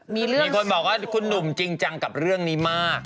มีเรื่องมีคนบอกว่าคุณหนุ่มจริงจังกับเรื่องนี้มาก